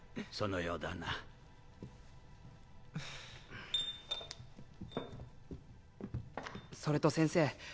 そのようだなそれと先生